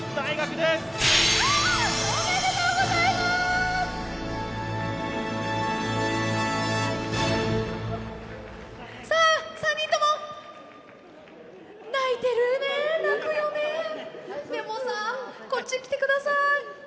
でもさこっち来て下さい。